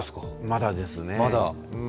まだですね。